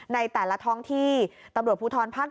ในแต่ละท้องที่ตำรวจภูทรภาค๗